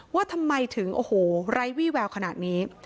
ว่าทำไมถึงโอ้โหไร้วี่แววขนาดนี้